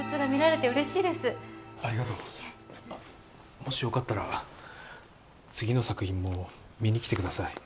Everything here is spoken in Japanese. もしよかったら次の作品も見に来てください